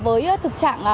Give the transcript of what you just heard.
với thực trạng